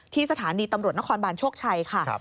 สถานีตำรวจนครบานโชคชัยค่ะ